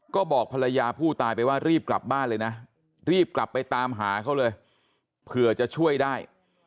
ก็บอกภรรยาผู้ตายไปว่ารีบกลับบ้านเลยนะรีบกลับไปตามหาเขาเลยเผื่อจะช่วยได้